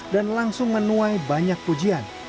dan langsung menuai banyak pujian